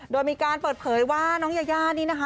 โดยมีการเปิดเผยว่าน้องยาย่านี่นะคะ